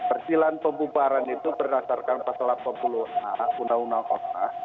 persilahan pembubaran itu berdasarkan pasal delapan puluh a undang undang kota